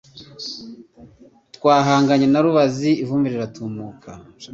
Twahanganye na Rubazi ivumbi riratumuka